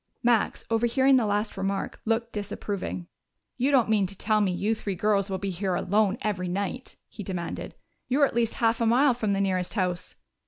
Max, overhearing the last remark, looked disapproving. "You don't mean to tell me you three girls will be here alone every night?" he demanded. "You're at least half a mile from the nearest house."